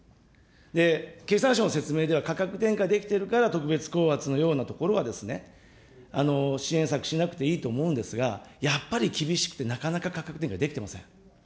経産省の説明では、価格転嫁できてるから、特別高圧のようなところは支援策しなくていいと思うんですが、やっぱり厳しくて、なかなか価格転嫁できてません。